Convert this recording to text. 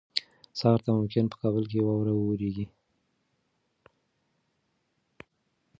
سهار ته ممکن په کابل کې واوره ووریږي.